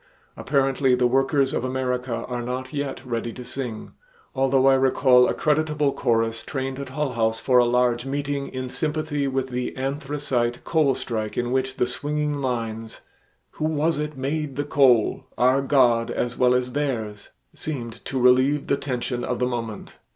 Apparently the workers of America are not yet ready to sing, although I recall a creditable chorus trained at Hull House for a large meeting in sympathy with the anthracite coal strike in which the swinging lines "Who was it made the coal? Our God as well as theirs." seemed to relieve the tension of the moment.